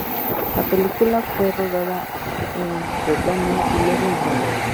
La película fue rodada en Jordania y luego en Londres.